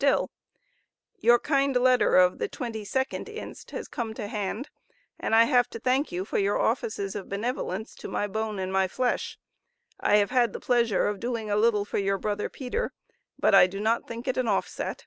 STILL: Your kind letter of the 22d inst has come to hand and I have to thank you for your offices of benevolence to my bone and my flesh, I have had the pleasure of doing a little for your brother Peter, but I do not think it an offset.